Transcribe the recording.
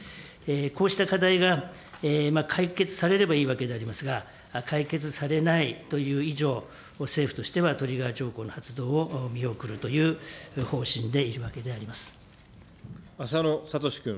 こうした課題が解決されればいいわけでありますが、解決されないという以上、政府としてはトリガー条項の発動を見送るという方針でいるわけであります。